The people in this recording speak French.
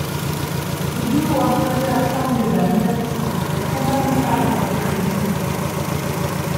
Le duo intérieur Tanghe - Daniels est fondamental dans cette réussite.